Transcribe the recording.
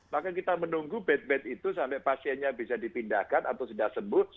maka kita menunggu bed bed itu sampai pasiennya bisa dipindahkan atau sudah sembuh